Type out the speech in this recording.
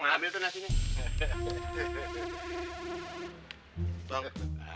ambil tuh nasinya